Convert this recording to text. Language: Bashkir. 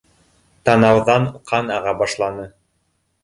Танауҙан ҡан аға башланы.